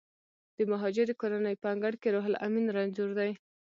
د مهاجرې کورنۍ په انګړ کې روح لامین رنځور دی